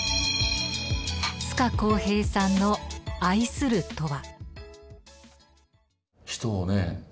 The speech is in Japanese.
つかこうへいさんの愛するとは？